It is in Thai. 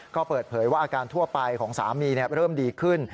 ก็เปิดเผยว่าอาการทั่วไปของสามีเริ่มดีขึ้น